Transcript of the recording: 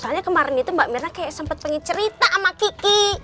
soalnya kemarin itu mbak mirna kayak sempat pengen cerita sama kiki